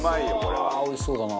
中丸：おいしそうだな。